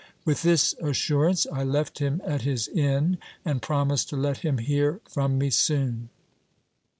With this assurance, I left him at his inn, and promised to let him hear from me soon.